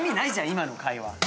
今の会話。